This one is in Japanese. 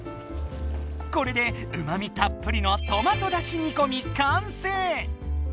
これでうまみたっぷりのトマトだしにこみ完成！